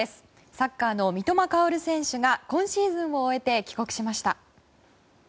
サッカーの三笘薫選手が今シーズンを終えて帰国しました。